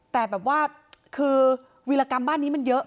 แต่แบบว่าคือวีรกรรมบ้านนี้มันเยอะ